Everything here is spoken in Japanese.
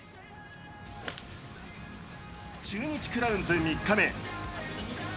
中日クラウンズ３日目。